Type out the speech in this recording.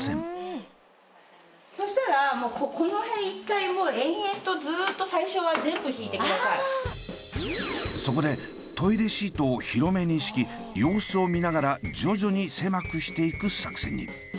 そしたらそこでトイレシートを広めに敷き様子を見ながら徐々に狭くしていく作戦に。